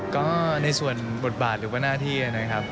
ก็ในส่วนบทบาทหรือว่าหน้าที่นะครับ